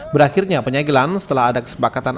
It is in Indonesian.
berakhirnya penyegelan setelah ada kesepakatan